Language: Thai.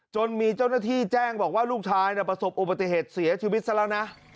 จนมีเจ้าหน้าที่แจ้งบอกว่าลูกชายประสบอุบัติเหตุเสียชีวิตซะแล้วนะ